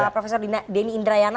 profesor deni indrayana